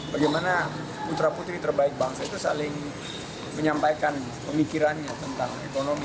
bagaimana putra putri terbaik bangsa itu saling menyampaikan pemikirannya tentang ekonomi